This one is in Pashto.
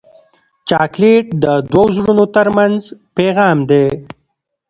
چاکلېټ د دوو زړونو ترمنځ پیغام دی.